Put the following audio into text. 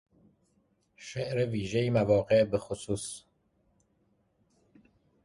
شعر ویژهی مواقع بخصوص